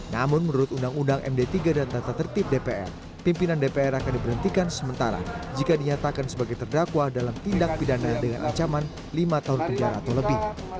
namun menurut undang undang md tiga dan tata tertib dpr pimpinan dpr akan diberhentikan sementara jika dinyatakan sebagai terdakwa dalam tindak pidana dengan ancaman lima tahun penjara atau lebih